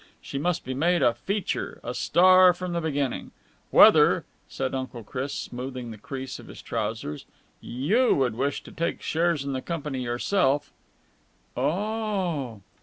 She must be made a feature, a star, from the beginning. Whether," said Uncle Chris, smoothing the crease of his trousers, "you would wish to take shares in the company yourself...." "Oo...!"